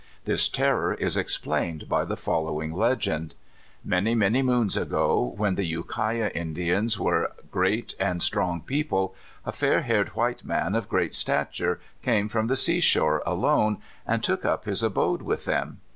This terror is explained by the following legend : Many, many moons ago, when the Ukiah Indians were a great and strong people, a fair haired white man, of great stature, came from the sea shore alone, and took up his abode with them.